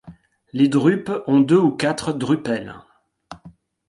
Les drupes ont deux ou quatre drupelles.